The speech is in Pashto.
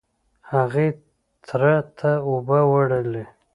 هغې تره ته اوبه وړلې.